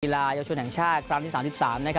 กีฬายชุนแห่งชาติฟรรมที่๓๓